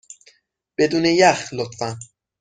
بدون یخ، لطفا.